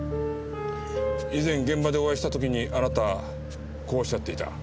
以前現場でお会いした時にあなたこう仰っていた。